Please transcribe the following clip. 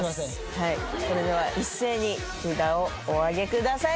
はいそれでは一斉に札をおあげください